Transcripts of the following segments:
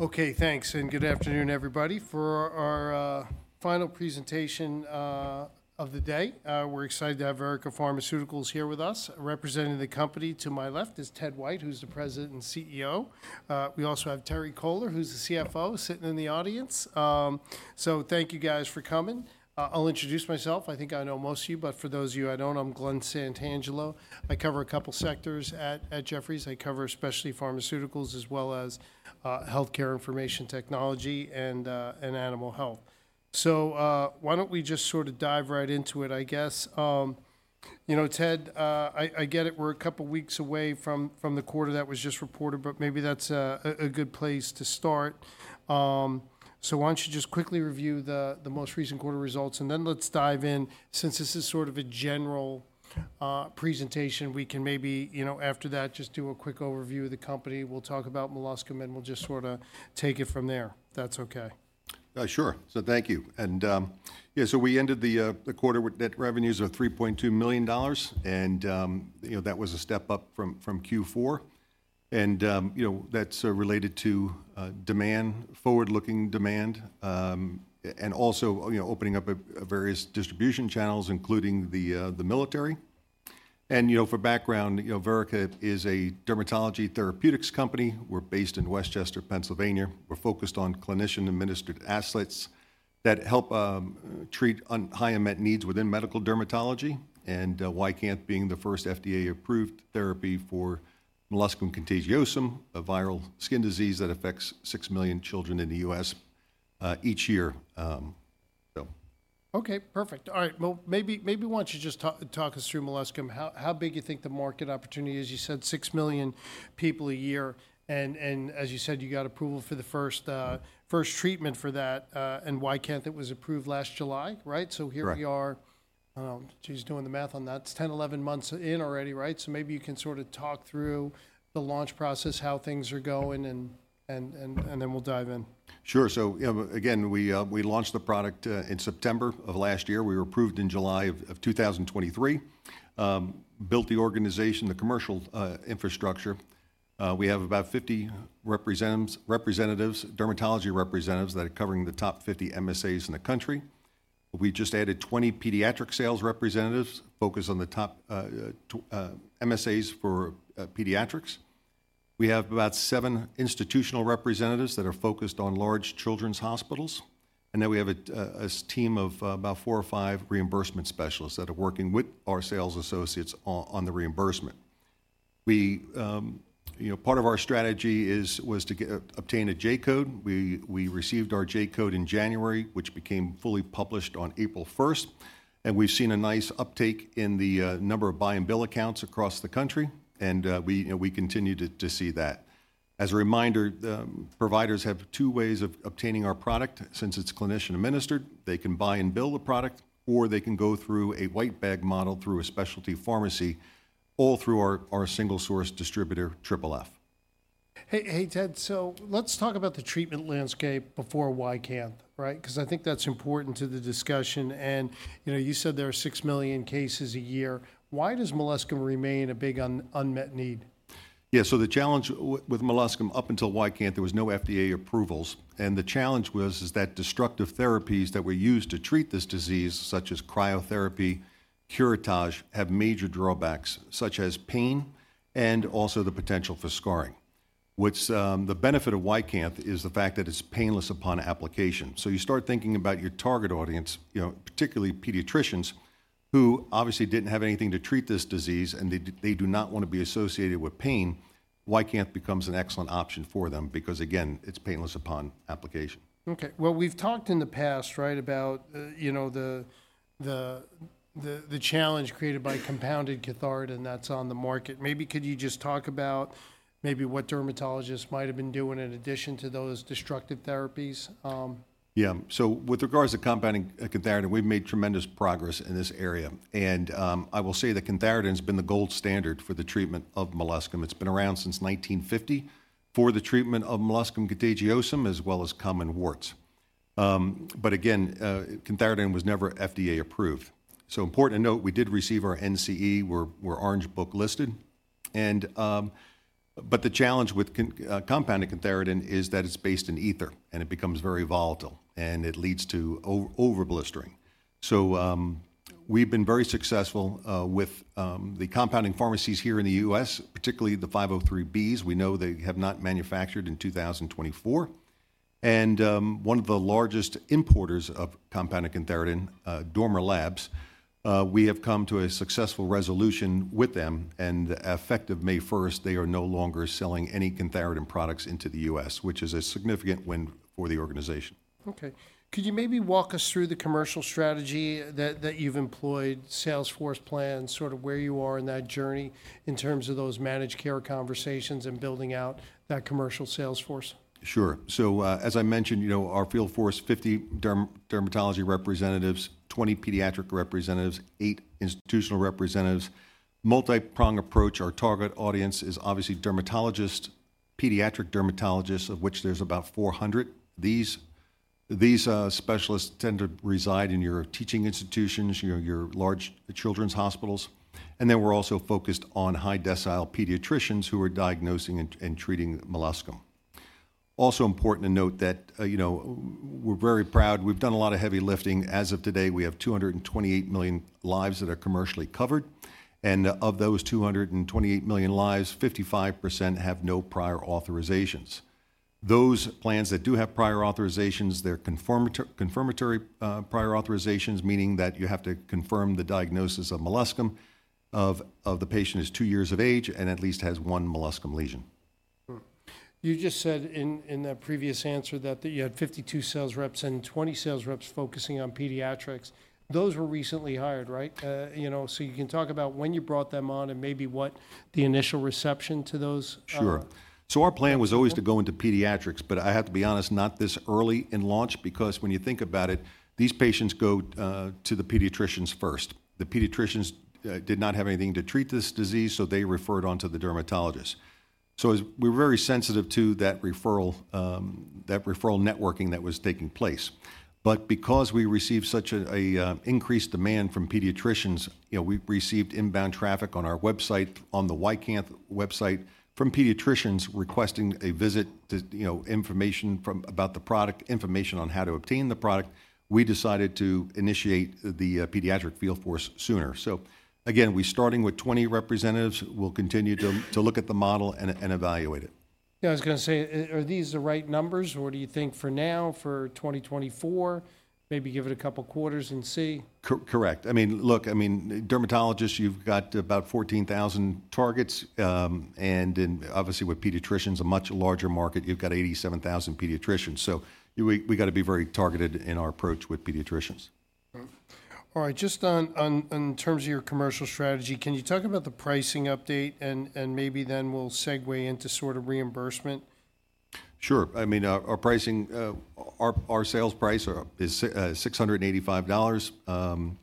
Okay, thanks, and good afternoon, everybody, for our final presentation of the day. We're excited to have Verrica Pharmaceuticals here with us. Representing the company to my left is Ted White, who's the President and CEO. We also have Terry Kohler, who's the CFO, sitting in the audience. So thank you, guys, for coming. I'll introduce myself. I think I know most of you, but for those of you I don't, I'm Glen Santangelo. I cover a couple of sectors at Jefferies. I cover especially pharmaceuticals, as well as healthcare information technology and animal health. So why don't we just sort of dive right into it, I guess. You know, Ted, I get it. We're a couple of weeks away from the quarter that was just reported, but maybe that's a good place to start. So why don't you just quickly review the most recent quarter results, and then let's dive in. Since this is sort of a general presentation, we can maybe, you know, after that, just do a quick overview of the company. We'll talk about molluscum, and we'll just sort of take it from there, if that's okay? Sure. So thank you. And yeah, so we ended the quarter with net revenues of $3.2 million, and you know that was a step up from Q4. And you know that's related to demand, forward-looking demand, and also opening up various distribution channels, including the military. And you know, for background, Verrica is a dermatology therapeutics company. We're based in West Chester, Pennsylvania. We're focused on clinician-administered assets that help treat high unmet needs within medical dermatology, and YCANTH being the first FDA-approved therapy for molluscum contagiosum, a viral skin disease that affects 6 million children in the U.S. each year. Okay, perfect. All right, well, maybe why don't you just talk us through molluscum contagiosum, how big you think the market opportunity is. You said 6 million people a year, and as you said, you got approval for the first treatment for that, and YCANTH that was approved last July, right? So here we are, she's doing the math on that. It's 10, 11 months in already, right? So maybe you can sort of talk through the launch process, how things are going, and then we'll dive in. Sure. So again, we launched the product in September of last year. We were approved in July of 2023, built the organization, the commercial infrastructure. We have about 50 representatives, dermatology representatives that are covering the top 50 MSAs in the country. We just added 20 pediatric sales representatives focused on the top MSAs for pediatrics. We have about seven institutional representatives that are focused on large children's hospitals. And then we have a team of about four or five reimbursement specialists that are working with our sales associates on the reimbursement. Part of our strategy was to obtain a J-Code. We received our J-Code in January, which became fully published on April 1st. And we've seen a nice uptake in the number of buy and bill accounts across the country, and we continue to see that. As a reminder, providers have two ways of obtaining our product. Since it's clinician-administered, they can buy and bill the product, or they can go through a white bag model through a specialty pharmacy, all through our single source distributor, FFF. Hey, Ted, so let's talk about the treatment landscape before YCANTH, right? Because I think that's important to the discussion. You said there are 6 million cases a year. Why does molluscum contagiosum remain a big unmet need? Yeah, so the challenge with molluscum contagiosum up until YCANTH, there were no FDA approvals. And the challenge was that destructive therapies that were used to treat this disease, such as cryotherapy, curettage, have major drawbacks, such as pain and also the potential for scarring. The benefit of YCANTH is the fact that it's painless upon application. So you start thinking about your target audience, particularly pediatricians, who obviously didn't have anything to treat this disease, and they do not want to be associated with pain. YCANTH becomes an excellent option for them because, again, it's painless upon application. Okay, well, we've talked in the past, right, about the challenge created by compounded cantharidin that's on the market. Maybe could you just talk about maybe what dermatologists might have been doing in addition to those destructive therapies? Yeah, so with regards to compounding cantharidin, we've made tremendous progress in this area. I will say that cantharidin has been the gold standard for the treatment of molluscum. It's been around since 1950 for the treatment of molluscum contagiosum, as well as common warts. Again, cantharidin was never FDA approved. Important to note, we did receive our NCE, we're Orange Book listed. The challenge with compounding cantharidin is that it's based in ether, and it becomes very volatile, and it leads to over-blistering. We've been very successful with the compounding pharmacies here in the U.S., particularly the 503Bs. We know they have not manufactured in 2024. One of the largest importers of compounding cantharidin, Dormer Labs, we have come to a successful resolution with them. Effective May 1st, they are no longer selling any cantharidin products into the U.S., which is a significant win for the organization. Okay, could you maybe walk us through the commercial strategy that you've employed, sales force plan, sort of where you are in that journey in terms of those managed care conversations and building out that commercial sales force? Sure. So as I mentioned, you know our field force, 50 dermatology representatives, 20 pediatric representatives, eight institutional representatives. Multi-prong approach, our target audience is obviously dermatologists, pediatric dermatologists, of which there's about 400. These specialists tend to reside in your teaching institutions, your large children's hospitals. And then we're also focused on high decile pediatricians who are diagnosing and treating molluscum. Also important to note that we're very proud. We've done a lot of heavy lifting. As of today, we have 228 million lives that are commercially covered. And of those 228 million lives, 55% have no prior authorizations. Those plans that do have prior authorizations, they're confirmatory prior authorizations, meaning that you have to confirm the diagnosis of molluscum. Of the patient is two years of age and at least has one molluscum lesion. You just said in that previous answer that you had 52 sales reps and 20 sales reps focusing on pediatrics. Those were recently hired, right? So you can talk about when you brought them on and maybe what the initial reception to those? Sure. So our plan was always to go into pediatrics, but I have to be honest, not this early in launch, because when you think about it, these patients go to the pediatricians first. The pediatricians did not have anything to treat this disease, so they referred on to the dermatologist. So we're very sensitive to that referral networking that was taking place. But because we received such an increased demand from pediatricians, we've received inbound traffic on our website, on the YCANTH website from pediatricians requesting a visit, information about the product, information on how to obtain the product. We decided to initiate the pediatric field force sooner. So again, we're starting with 20 representatives. We'll continue to look at the model and evaluate it. Yeah, I was going to say, are these the right numbers? What do you think for now, for 2024? Maybe give it a couple of quarters and see? Correct. I mean, look, I mean, dermatologists, you've got about 14,000 targets. Obviously, with pediatricians, a much larger market, you've got 87,000 pediatricians. We got to be very targeted in our approach with pediatricians. All right, just in terms of your commercial strategy, can you talk about the pricing update and maybe then we'll segue into sort of reimbursement? Sure. I mean, our sales price is $685.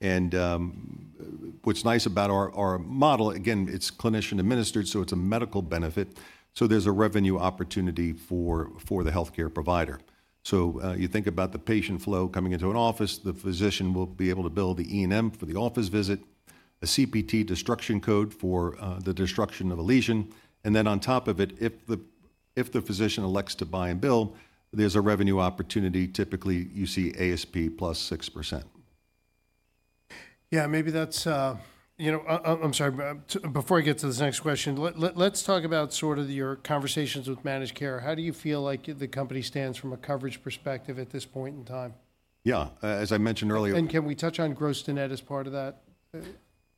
And what's nice about our model, again, it's clinician-administered, so it's a medical benefit. So there's a revenue opportunity for the healthcare provider. So you think about the patient flow coming into an office, the physician will be able to bill the E&M for the office visit, a CPT destruction code for the destruction of a lesion. And then on top of it, if the physician elects to buy and bill, there's a revenue opportunity. Typically, you see ASP +6%. Yeah, maybe that's, you know, I'm sorry, before I get to this next question, let's talk about sort of your conversations with managed care. How do you feel like the company stands from a coverage perspective at this point in time? Yeah, as I mentioned earlier. Can we touch on gross to net as part of that?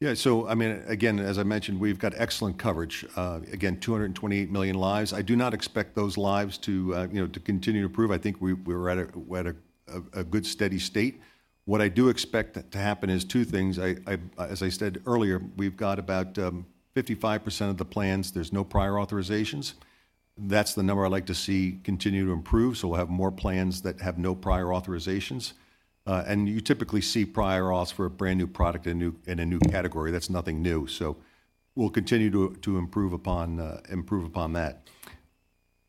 Yeah, so I mean, again, as I mentioned, we've got excellent coverage. Again, 228 million lives. I do not expect those lives to continue to improve. I think we're at a good steady state. What I do expect to happen is two things. As I said earlier, we've got about 55% of the plans, there's no prior authorizations. That's the number I'd like to see continue to improve. So we'll have more plans that have no prior authorizations. And you typically see prior auths for a brand new product in a new category. That's nothing new. So we'll continue to improve upon that.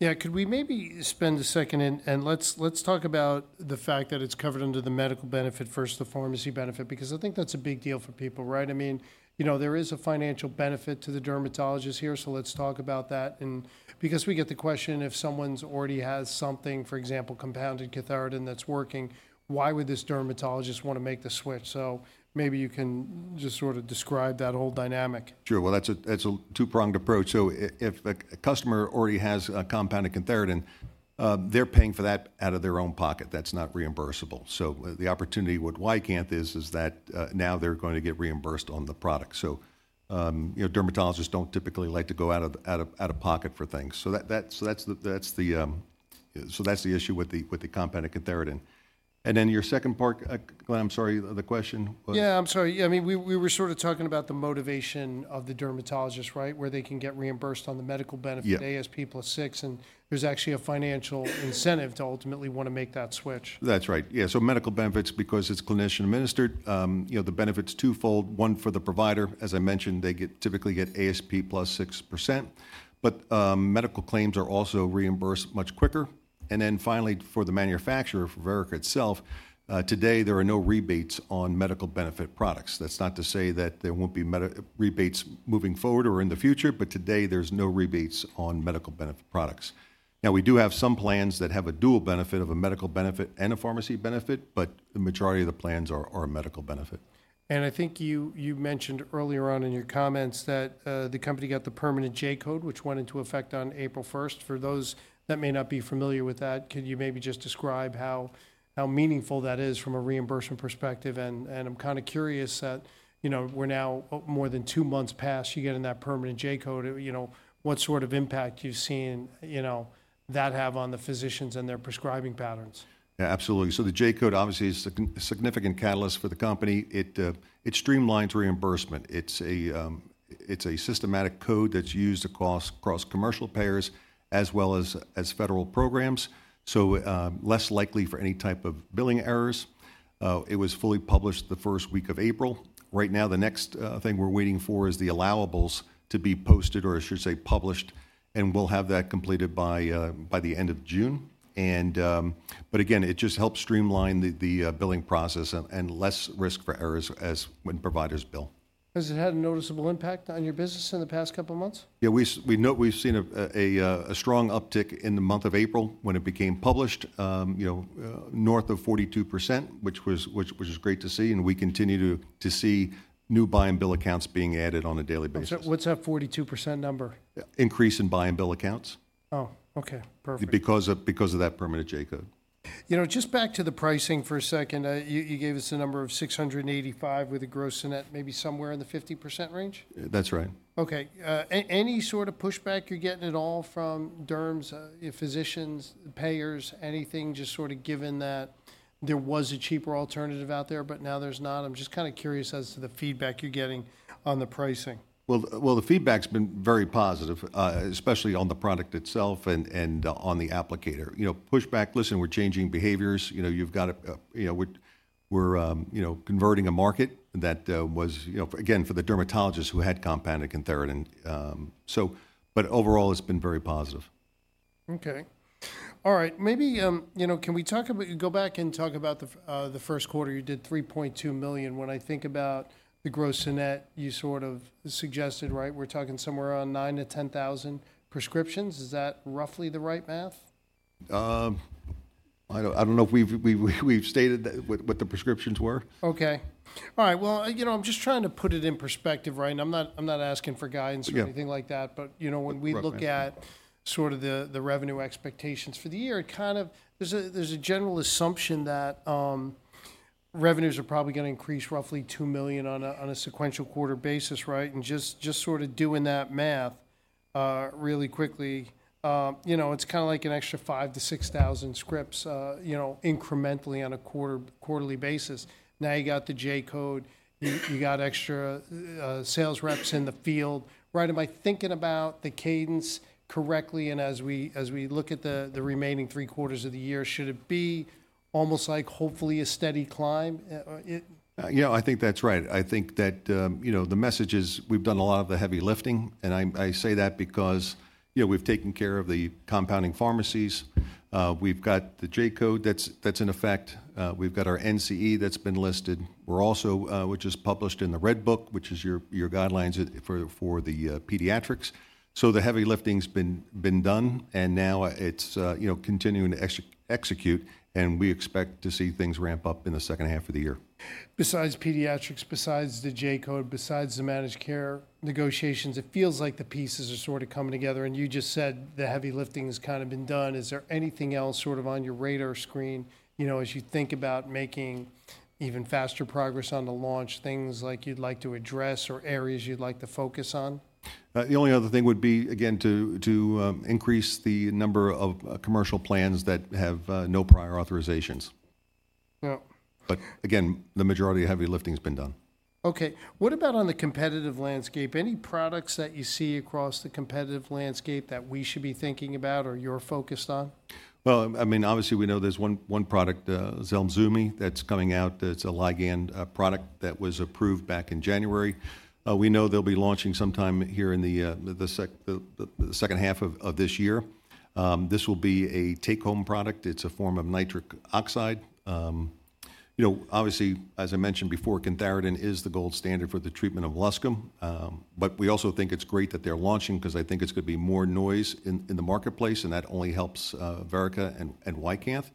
Yeah, could we maybe spend a second and let's talk about the fact that it's covered under the medical benefit first, the pharmacy benefit, because I think that's a big deal for people, right? I mean, you know, there is a financial benefit to the dermatologist here, so let's talk about that. And because we get the question if someone already has something, for example, compounded cantharidin that's working, why would this dermatologist want to make the switch? So maybe you can just sort of describe that whole dynamic. Sure, well, that's a two-pronged approach. So if a customer already has a compounded cantharidin, they're paying for that out of their own pocket. That's not reimbursable. So the opportunity with YCANTH is that now they're going to get reimbursed on the product. So dermatologists don't typically like to go out of pocket for things. So that's the issue with the compounded cantharidin. And then your second part, Glen, I'm sorry, the question? Yeah, I'm sorry. I mean, we were sort of talking about the motivation of the dermatologists, right, where they can get reimbursed on the medical benefit, ASP +6%, and there's actually a financial incentive to ultimately want to make that switch. That's right. Yeah, so medical benefits because it's clinician-administered. The benefit's twofold. One for the provider, as I mentioned, they typically get ASP +6%. But medical claims are also reimbursed much quicker. And then finally, for the manufacturer, for Verrica itself, today there are no rebates on medical benefit products. That's not to say that there won't be rebates moving forward or in the future, but today there's no rebates on medical benefit products. Now, we do have some plans that have a dual benefit of a medical benefit and a pharmacy benefit, but the majority of the plans are a medical benefit. I think you mentioned earlier on in your comments that the company got the permanent J-Code, which went into effect on April 1st. For those that may not be familiar with that, could you maybe just describe how meaningful that is from a reimbursement perspective? And I'm kind of curious that we're now more than two months past you getting that permanent J-Code. What sort of impact you've seen that have on the physicians and their prescribing patterns? Yeah, absolutely. So the J-Code obviously is a significant catalyst for the company. It streamlines reimbursement. It's a systematic code that's used across commercial payers as well as federal programs. So less likely for any type of billing errors. It was fully published the first week of April. Right now, the next thing we're waiting for is the allowables to be posted, or I should say published, and we'll have that completed by the end of June. But again, it just helps streamline the billing process and less risk for errors when providers bill. Has it had a noticeable impact on your business in the past couple of months? Yeah, we've seen a strong uptick in the month of April when it became published, North of 42%, which was great to see. We continue to see new buy and bill accounts being added on a daily basis. What's that 42% number? Increase in buy and bill accounts. Oh, okay, perfect. Because of that permanent J-Code. You know, just back to the pricing for a second, you gave us the number of $685 with a gross to net, maybe somewhere in the 50% range? That's right. Okay, any sort of pushback you're getting at all from derms, physicians, payers, anything just sort of given that there was a cheaper alternative out there, but now there's not? I'm just kind of curious as to the feedback you're getting on the pricing. Well, the feedback's been very positive, especially on the product itself and on the applicator. Pushback, listen, we're changing behaviors. You've got it. We're converting a market that was, again, for the dermatologists who had compounded cantharidin. But overall, it's been very positive. Okay. All right, maybe can we go back and talk about the first quarter? You did $3.2 million. When I think about the gross to net, you sort of suggested, right, we're talking somewhere around 9,000-10,000 prescriptions. Is that roughly the right math? I don't know if we've stated what the prescriptions were. Okay. All right, well, you know, I'm just trying to put it in perspective, right? I'm not asking for guidance or anything like that. But when we look at sort of the revenue expectations for the year, kind of there's a general assumption that revenues are probably going to increase roughly $2 million on a sequential quarter basis, right? And just sort of doing that math really quickly, you know, it's kind of like an extra 5,000-6,000 scripts incrementally on a quarterly basis. Now you got the J-Code, you got extra sales reps in the field. Right? Am I thinking about the cadence correctly? And as we look at the remaining three quarters of the year, should it be almost like hopefully a steady climb? Yeah, I think that's right. I think that the message is we've done a lot of the heavy lifting. And I say that because we've taken care of the compounding pharmacies. We've got the J-Code that's in effect. We've got our NCE that's been listed, which is published in the Red Book, which is your guidelines for the pediatrics. So the heavy lifting's been done. And now it's continuing to execute. And we expect to see things ramp up in the second half of the year. Besides pediatrics, besides the J-Code, besides the managed care negotiations, it feels like the pieces are sort of coming together. And you just said the heavy lifting has kind of been done. Is there anything else sort of on your radar screen, you know, as you think about making even faster progress on the launch, things like you'd like to address or areas you'd like to focus on? The only other thing would be, again, to increase the number of commercial plans that have no prior authorizations. But again, the majority of heavy lifting's been done. Okay. What about on the competitive landscape? Any products that you see across the competitive landscape that we should be thinking about or you're focused on? Well, I mean, obviously we know there's one product, Zelsuvmi, that's coming out. It's a Ligand product that was approved back in January. We know they'll be launching sometime here in the second half of this year. This will be a take-home product. It's a form of nitric oxide. You know, obviously, as I mentioned before, cantharidin is the gold standard for the treatment of molluscum. But we also think it's great that they're launching because I think it's going to be more noise in the marketplace. And that only helps Verrica and YCANTH.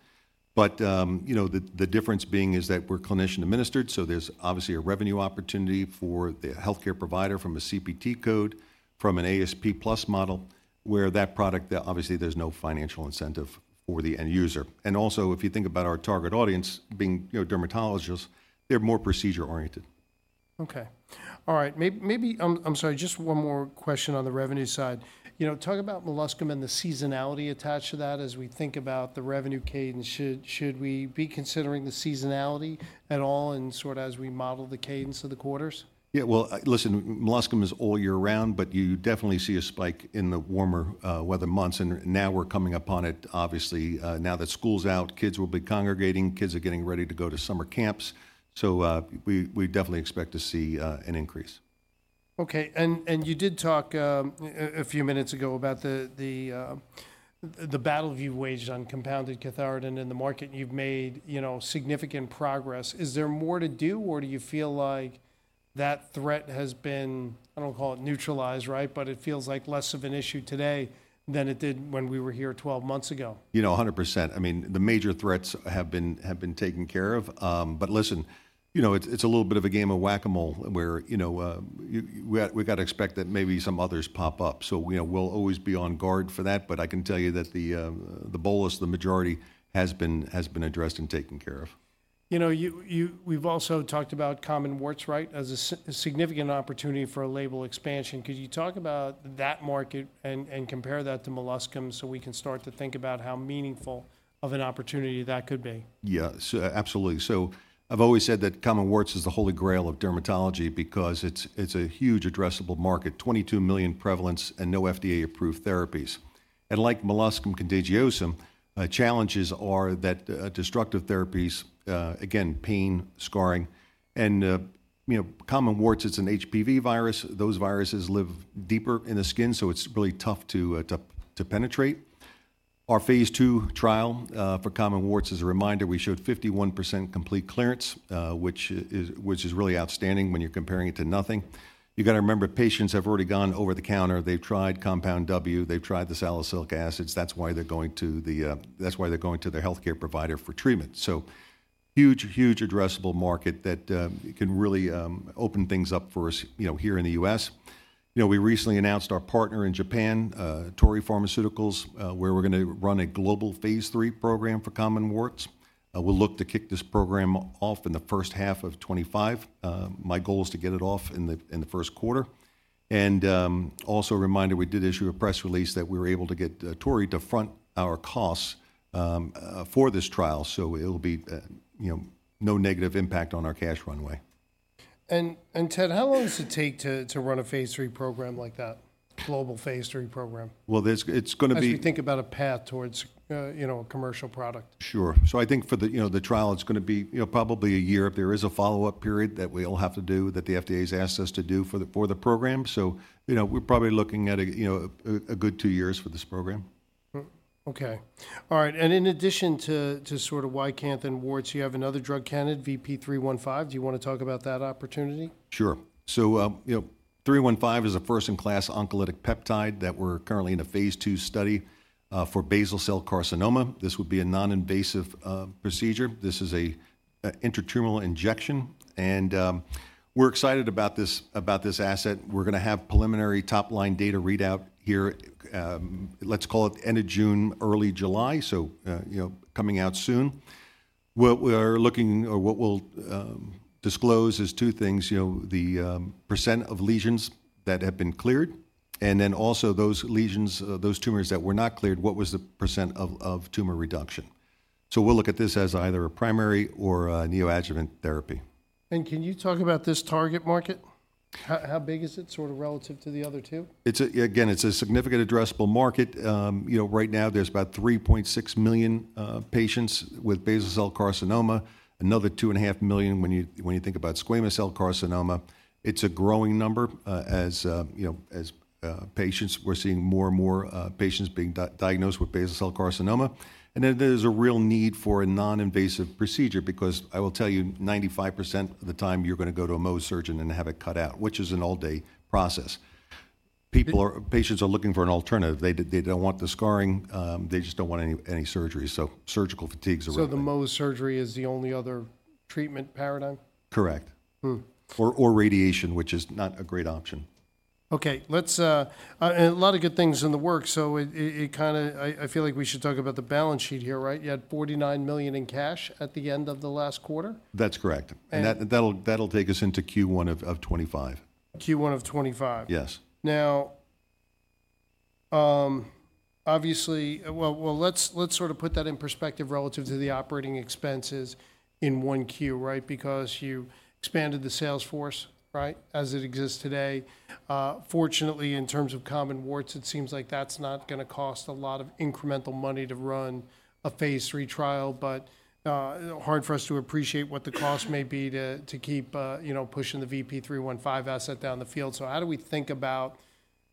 But the difference being is that we're clinician-administered. So there's obviously a revenue opportunity for the healthcare provider from a CPT code, from an ASP plus model, where that product, obviously, there's no financial incentive for the end user. And also, if you think about our target audience being dermatologists, they're more procedure-oriented. Okay. All right. Maybe, I'm sorry, just one more question on the revenue side. Talk about molluscum and the seasonality attached to that as we think about the revenue cadence. Should we be considering the seasonality at all and sort of as we model the cadence of the quarters? Yeah, well, listen, molluscum contagiosum is all year round, but you definitely see a spike in the warmer weather months. Now we're coming up on it, obviously. Now that school's out, kids will be congregating. Kids are getting ready to go to summer camps. So we definitely expect to see an increase. Okay. And you did talk a few minutes ago about the battle you've waged on compounded cantharidin in the market. You've made significant progress. Is there more to do, or do you feel like that threat has been, I don't want to call it neutralized, right? But it feels like less of an issue today than it did when we were here 12 months ago. You know, 100%. I mean, the major threats have been taken care of. But listen, you know, it's a little bit of a game of whack-a-mole where we've got to expect that maybe some others pop up. So we'll always be on guard for that. But I can tell you that the bolus, the majority has been addressed and taken care of. You know, we've also talked about common warts, right, as a significant opportunity for a label expansion. Could you talk about that market and compare that to molluscum so we can start to think about how meaningful of an opportunity that could be? Yeah, absolutely. So I've always said that common warts is the holy grail of dermatology because it's a huge addressable market, 22 million prevalence and no FDA-approved therapies. And like molluscum contagiosum, challenges are that destructive therapies, again, pain, scarring. And common warts, it's an HPV virus. Those viruses live deeper in the skin, so it's really tough to penetrate. Our phase II trial for common warts, as a reminder, we showed 51% complete clearance, which is really outstanding when you're comparing it to nothing. You got to remember, patients have already gone over the counter. They've tried Compound W, they've tried the salicylic acids. That's why they're going to the healthcare provider for treatment. So huge, huge addressable market that can really open things up for us here in the U.S. We recently announced our partner in Japan, Torii Pharmaceuticals, where we're going to run a global phase III program for common warts. We'll look to kick this program off in the first half of 2025. My goal is to get it off in the first quarter. And also a reminder, we did issue a press release that we were able to get Torii to front our costs for this trial. So it'll be no negative impact on our cash runway. Ted, how long does it take to run a phase III program like that, global phase III program? Well, it's going to be. As you think about a path towards a commercial product. Sure. So I think for the trial, it's going to be probably a year if there is a follow-up period that we'll have to do that the FDA has asked us to do for the program. So we're probably looking at a good two years for this program. Okay. All right. And in addition to sort of YCANTH and warts, you have another drug candidate, VP-315. Do you want to talk about that opportunity? Sure. So 315 is a first-in-class oncolytic peptide that we're currently in a phase II study for basal cell carcinoma. This would be a non-invasive procedure. This is an intratumoral injection. And we're excited about this asset. We're going to have preliminary top-line data readout here. Let's call it end of June, early July. So coming out soon. What we're looking or what we'll disclose is two things. The percent of lesions that have been cleared and then also those lesions, those tumors that were not cleared, what was the percent of tumor reduction. So we'll look at this as either a primary or a neoadjuvant therapy. Can you talk about this target market? How big is it sort of relative to the other two? Again, it's a significant addressable market. Right now, there's about 3.6 million patients with basal cell carcinoma. Another 2.5 million when you think about squamous cell carcinoma. It's a growing number as patients. We're seeing more and more patients being diagnosed with basal cell carcinoma. And then there's a real need for a non-invasive procedure because I will tell you, 95% of the time you're going to go to a Mohs surgeon and have it cut out, which is an all-day process. Patients are looking for an alternative. They don't want the scarring. They just don't want any surgery. So surgical fatigues are really high. So the Mohs surgery is the only other treatment paradigm? Correct. Or radiation, which is not a great option. Okay. A lot of good things in the works. So I feel like we should talk about the balance sheet here, right? You had $49 million in cash at the end of the last quarter? That's correct. That'll take us into Q1 of 2025. Q1 of 2025. Yes. Now, obviously, well, let's sort of put that in perspective relative to the operating expenses in 1Q, right? Because you expanded the sales force, right, as it exists today. Fortunately, in terms of Compound W, it seems like that's not going to cost a lot of incremental money to run a phase III trial. But hard for us to appreciate what the cost may be to keep pushing the VP-315 asset down the field. So how do we think about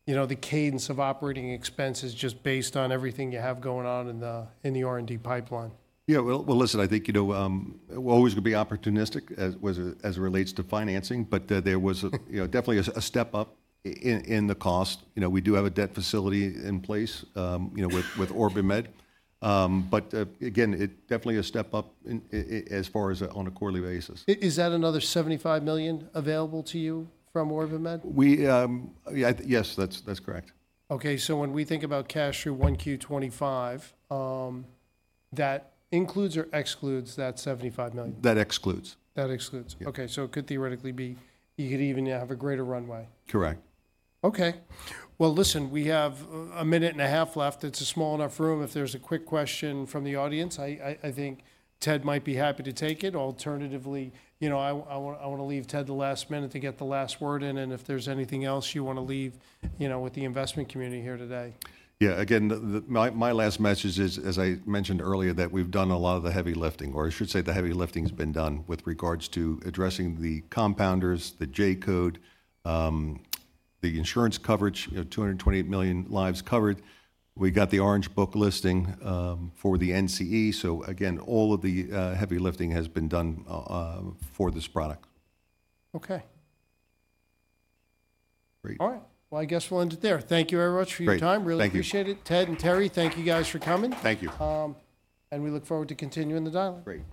the cadence of operating expenses just based on everything you have going on in the R&D pipeline? Yeah. Well, listen, I think we're always going to be opportunistic as it relates to financing. But there was definitely a step up in the cost. We do have a debt facility in place with OrbiMed. But again, it's definitely a step up as far as on a quarterly basis. Is that another $75 million available to you from OrbiMed? Yes, that's correct. Okay. So when we think about cash through 1Q 2025, that includes or excludes that $75 million? That excludes. That excludes. Okay. So it could theoretically be. You could even have a greater runway. Correct. Okay. Well, listen, we have a minute and a half left. It's a small enough room. If there's a quick question from the audience, I think Ted might be happy to take it. Alternatively, I want to leave Ted the last minute to get the last word in. And if there's anything else you want to leave with the investment community here today. Yeah. Again, my last message is, as I mentioned earlier, that we've done a lot of the heavy lifting, or I should say the heavy lifting's been done with regards to addressing the compounders, the J-Code, the insurance coverage, 228 million lives covered. We got the Orange Book listing for the NCE. So again, all of the heavy lifting has been done for this product. Okay. All right. Well, I guess we'll end it there. Thank you very much for your time. Really appreciate it. Ted and Terry, thank you guys for coming. Thank you. We look forward to continuing the dialogue. Great.